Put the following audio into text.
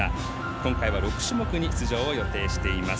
今回は６種目に出場を予定しています。